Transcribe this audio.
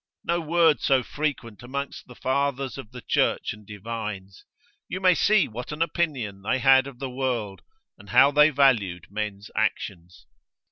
No word so frequent amongst the fathers of the Church and divines; you may see what an opinion they had of the world, and how they valued men's actions.